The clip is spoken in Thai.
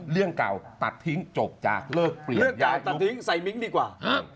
เรื่องเก่าตัดทิ้งจบจากเลิกเปลี่ยนอย่าตัดทิ้งใส่มิ้งดีกว่า